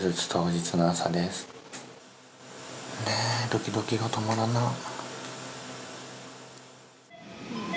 ドキドキが止まらない。